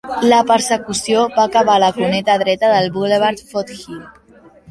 La persecució va acabar a la cuneta dreta del Boulevard Foothill.